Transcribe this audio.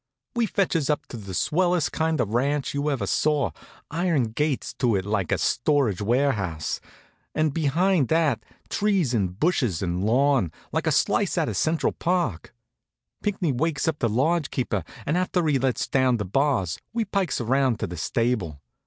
We fetches up at the swellest kind of a ranch you ever saw, iron gates to it like a storage warehouse, and behind that trees and bushes and lawn, like a slice out of Central Park. Pinckney wakes up the lodge keeper and after he lets down the bars we pikes around to the stable.